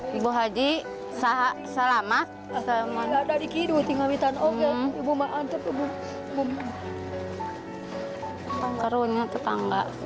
rasanya jalanan gimana dibanding dengan